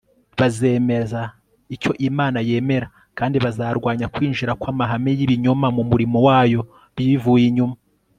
bazemeza icyo imana yemera, kandi bazarwanya kwinjira kw'amahame y'ibinyoma mu murimo wayo bivuye inyuma